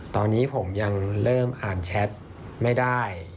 ตอนนี้ผมยังเริ่มอ่านแชทไม่ได้